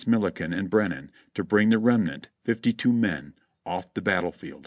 Milliken and Brennen, to bring the remnant (52 men) off the battle field."